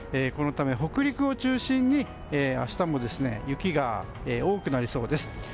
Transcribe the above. このため、北陸を中心に明日も雪が多くなりそうです。